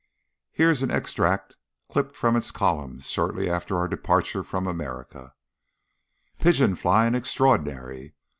Here is an extract clipped from its columns shortly after our departure from America: "Pigeon flying Extraordinary.